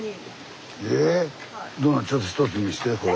ちょっとひとつ見してこれ。